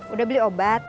udah beli obat